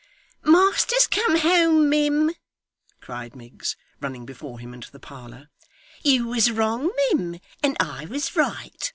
'Master's come home, mim,' cried Miggs, running before him into the parlour. 'You was wrong, mim, and I was right.